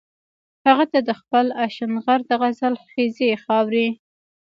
هغه ته د خپل اشنغر د غزل خيزې خاورې